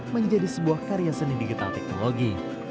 menjadi sebuah karya seni digital teknologi